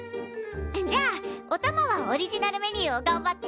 じゃあおたまはオリジナルメニューをがんばって。